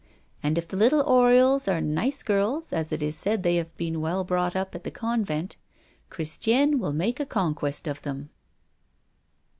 And if the little Oriols are nice girls, as it is said they have been well brought up at the convent, Christiane will make a conquest of them."